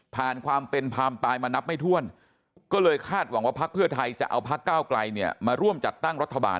ความเป็นพามตายมานับไม่ถ้วนก็เลยคาดหวังว่าพักเพื่อไทยจะเอาพักก้าวไกลเนี่ยมาร่วมจัดตั้งรัฐบาล